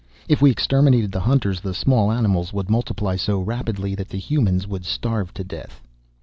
If we exterminated the hunters the small animals would multiply so rapidly that the humans would starve to death."